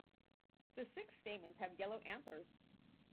The six stamens have yellow anthers.